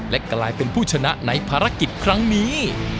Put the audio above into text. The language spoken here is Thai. และกลายเป็นผู้ชนะในภารกิจครั้งนี้